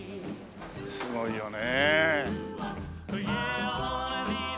すごいよね。